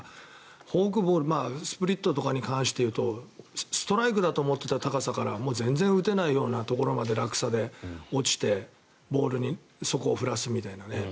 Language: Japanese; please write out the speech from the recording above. フォークボールスプリットとかに関して言うとストライクだと思っていた高さから全然打てないところまで落差で落ちてボールにそこを振らすみたいな。